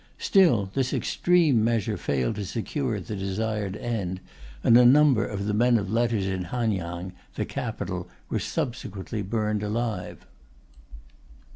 Still, this extreme measure failed to secure the desired end, and a number of the men of letters in Han Yang, the capital, was subsequently buried alive.